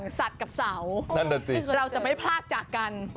ความผูกพันระหว่างสัตว์กับเสาเราจะไม่พลาดจากกัน